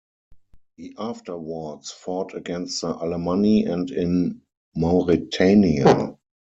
He afterwards fought against the Alemanni and in Mauretania.